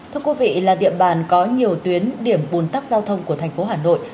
thưa quý vị là địa bàn có nhiều tuyến điểm bùn tắc giao thông của thành phố hà nội